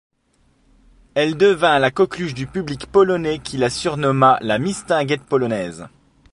Elle devint la coqueluche du public polonais qui la surnomma la Mistinguett polonaise.